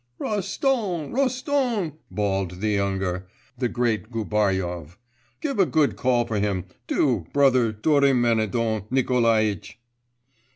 'Roston! Roston!' bawled the younger, the great Gubaryov. 'Give a good call for him, do brother Dorimedont Nikolaitch!